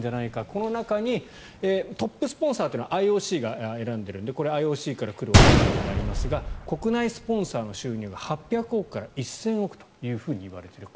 この中にトップスポンサーというのはＩＯＣが選んでいるのでＩＯＣから来るお金になりますが国内スポンサーの収入が８００億から１０００億といわれている。